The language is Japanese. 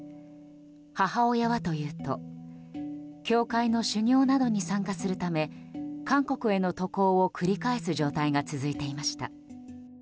母親はというと教会の修行などに参加するため韓国への渡航を繰り返す状態が続いていました。